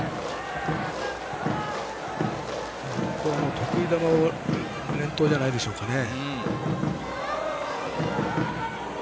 得意球を連投じゃないでしょうかね。